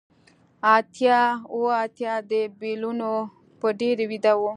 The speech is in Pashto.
اتیا اوه اتیا د بیلونو په ډیرۍ ویده و